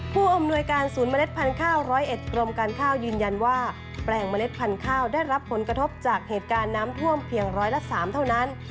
ผู้อำนวยการศูนย์เมล็ดพันธุ์ข้าว๑๐๑กรมการข้าวยืนยันว่าแปลงเมล็ดพันธุ์ข้าวได้รับผลกระทบจากเหตุการณ์น้ำท่วมเพียงร้อยละ๓เท่านั้น